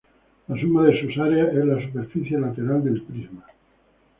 La suma de sus áreas es la superficie lateral del prisma.